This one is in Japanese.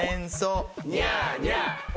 ニャーニャー。